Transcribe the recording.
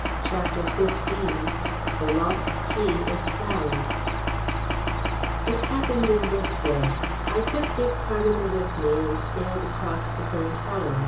CHAPTER XV THE LOST KEY IS FOUND It happened in this way. I took Dick Parmiter with me and sailed across to St. Helen's.